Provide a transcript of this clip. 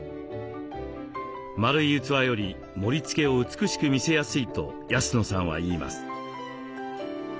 丸い器より盛りつけを美しく見せやすいと安野さんはいいます。